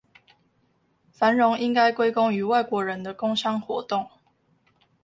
繁榮應該歸功於外國人的工商活動